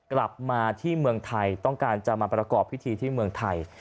กลับมาที่เมืองไทยต้องการจะมาประกอบพิธีที่เมืองไทย